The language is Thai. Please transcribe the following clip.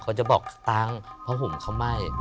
เขาจะบอกตามเพราะห่มเขาไหม้